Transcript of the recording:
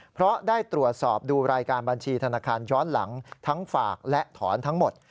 เพราะได้ตรวจสอบดูรายการบัญชีธนาคารย้อนหลังทั้งฝากและถอนทั้งหมด